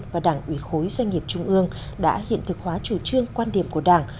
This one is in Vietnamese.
và đảng ủy khối doanh nghiệp trung ương đã hiện thực hóa chủ trương quan điểm của đảng